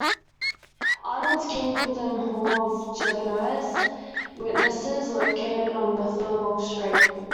Arnold's Kingdom Hall of Jehovah's Witnesses is located on Furlong Street.